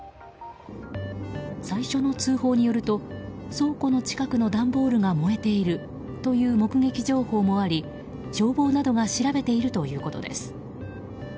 最初の通報によると倉庫の近くの段ボールが燃えているという目撃情報もあり、消防などが調べているということです。